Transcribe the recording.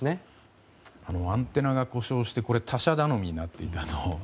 アンテナが故障して他社頼みになっていたと。